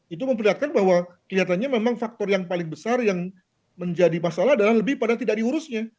itu memperlihatkan bahwa kelihatannya memang faktor yang paling besar yang menjadi masalah adalah lebih pada tidak diurusnya